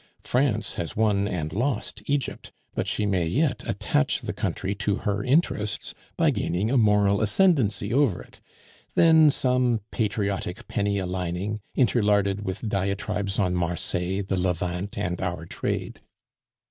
France has won and lost Egypt, but she may yet attach the country to her interests by gaining a moral ascendency over it. Then some patriotic penny a lining, interlarded with diatribes on Marseilles, the Levant and our trade."